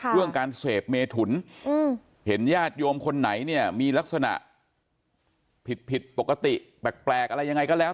เรื่องการเสพเมถุนเห็นญาติโยมคนไหนเนี่ยมีลักษณะผิดผิดปกติแปลกอะไรยังไงก็แล้ว